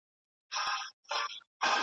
¬ پک نه پر سر تار لري، نه په غوړو کار لري.